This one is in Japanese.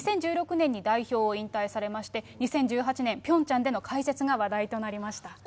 ２０１６年に代表を引退されまして、２０１８年、ピョンチャンでの解説が話題となりました。